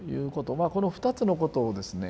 まあこの２つのことをですね